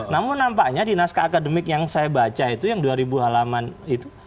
namun nampaknya di naskah akademik yang saya baca itu yang dua ribu halaman itu